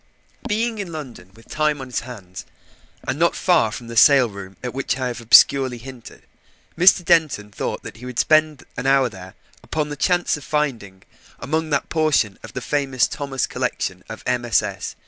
Being in London, with time on his hands, and not far from the sale room at which I have obscurely hinted, Mr. Denton thought that he would spend an hour there upon the chance of finding, among that portion of the famous Thomas collection of MSS.